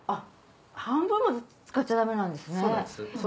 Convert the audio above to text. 半分も使っちゃダメなんですね。